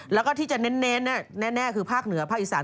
แล้วก็ที่จะเน้นแน่คือภาคเหนือภาคอีสาน